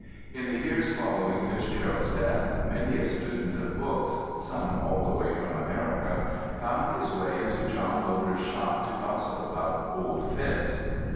In the years following FitzGerald's death many a student of books, some all the way from America, found his way into John Loder's shop to gossip about "Old Fitz."